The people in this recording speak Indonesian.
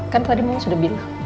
kan tadi mama sudah bilang